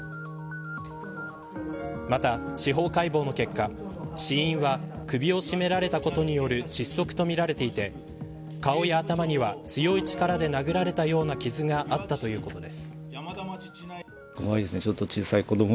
また、司法解剖の結果死因は首を絞められたことによる窒息とみられていて顔や頭には強い力で殴られたような傷があったということです。